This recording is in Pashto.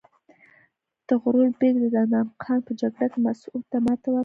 طغرل بیګ د دندان قان په جګړه کې مسعود ته ماتې ورکړه.